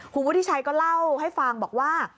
คุณวุฒิชัยก็เล่าให้ฟังบอกว่า